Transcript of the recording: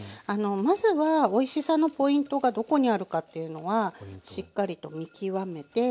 まずはおいしさのポイントがどこにあるかっていうのはしっかりと見極めて。